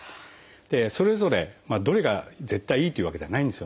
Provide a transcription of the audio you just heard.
それぞれどれが絶対いいというわけではないんですよね。